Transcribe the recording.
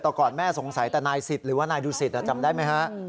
แต่ก่อนแม่สงสัยแต่นายสิทธิ์หรือว่านายดูสิตจำได้ไหมฮะ